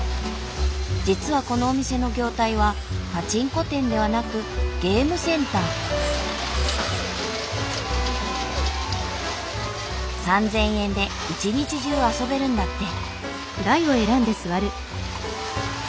実はこのお店の業態はパチンコ店ではなく３，０００円で一日中遊べるんだって。